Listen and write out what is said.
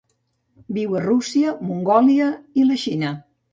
Viu a Rússia, Mongòlia i la Xina.